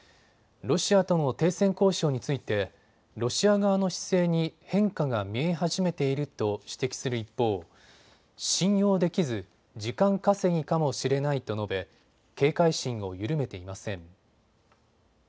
ロシアとの停戦交渉についてロシア側の姿勢に変化が見え始めていると指摘する一方、信用できず時間かせぎかもしれないと述べ、警戒心を緩めていません。